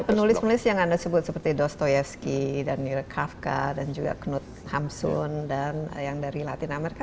nah penulis penulis yang anda sebut seperti dostoyevsky dan niel kafka dan juga knut hamsun dan yang dari latin america